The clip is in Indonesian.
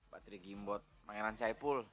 batre gimbot pangeran chaipul